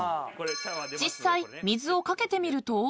［実際水を掛けてみると］